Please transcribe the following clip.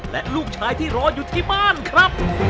และลูกชายที่รออยู่ที่บ้านครับ